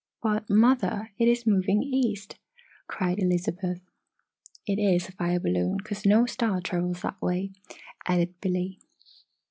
"But, mother, it is moving east!" cried Elizabeth. "It is a fire balloon, 'cause no star travels that way," added Billy.